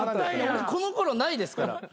このころないですから。